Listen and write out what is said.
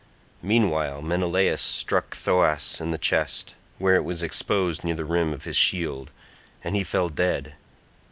Meanwhile Menelaus struck Thoas in the chest, where it was exposed near the rim of his shield, and he fell dead.